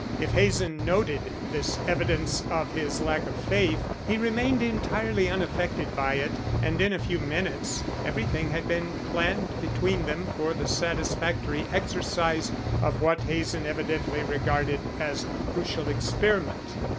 If Hazen noted this evidence of his lack of faith, he remained entirely unaffected by it, and in a few minutes everything had been planned between them for the satisfactory exercise of what Hazen evidently regarded as a crucial experiment.